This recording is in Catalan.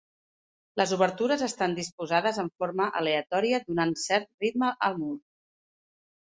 Les obertures estan disposades de forma aleatòria donant cert ritme al mur.